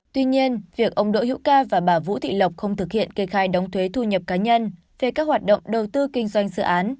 tuy nhiên việc ông đỗ hữu ca và bà vũ thị lộc không thực hiện kê khai đóng thuế thu nhập cá nhân về các hoạt động đầu tư kinh doanh dự án